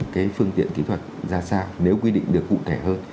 cái phương tiện kỹ thuật ra sao nếu quy định được cụ thể hơn